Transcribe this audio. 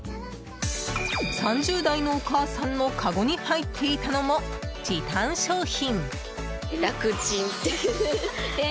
３０代のお母さんのかごに入っていたのも時短商品。